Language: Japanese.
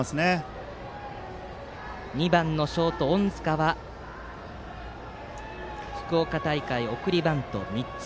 バッターの２番のショート、隠塚は福岡大会は送りバント３つ。